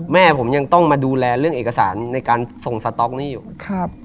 แม่ผมยังต้องมาดูแลเรื่องเอกสารในการส่งสต๊อกนี่อยู่ครับ